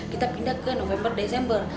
kita pindah ke november desember